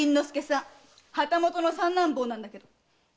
旗本の三男坊なんだけどうちの居候。